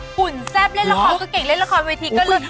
หุ่นแซ่บเล่นละครก็เก่งเล่นละครเวทีก็ลุ้น